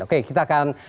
oke kita akan